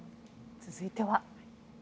続いては。